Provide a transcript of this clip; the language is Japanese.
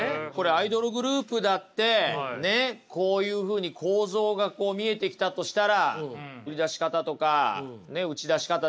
アイドルグループだってねっこういうふうに構造が見えてきたとしたら売り出し方とか打ち出し方ですか